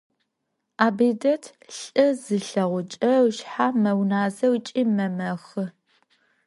Абидэт лъы зилъэгъукӀэ ышъхьэ мэуназэ ыкӀи мэмэхы.